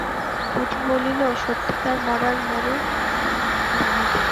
পুটি বলিল, সত্যিকার মড়ার মুণ্ড রানুদি?